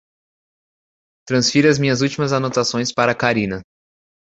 Transfira as minhas últimas anotações para Karina